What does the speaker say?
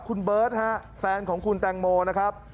คุณเบิร์ตฮะแฟนของคุณแตงโมนะครับ